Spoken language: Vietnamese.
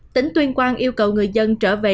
tỉnh tuyên quang yêu cầu người dân trở về